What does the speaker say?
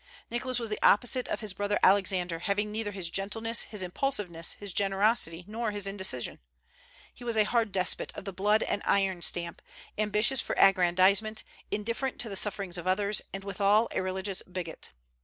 Nicholas was the opposite of his brother Alexander, having neither his gentleness, his impulsiveness, his generosity, nor his indecision. He was a hard despot of the "blood and iron" stamp, ambitious for aggrandizement, indifferent to the sufferings of others, and withal a religious bigot.